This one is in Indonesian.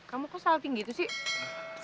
kamu kok salting gitu sih